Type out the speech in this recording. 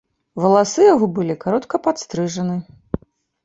Валасы яго былі коратка падстрыжаны.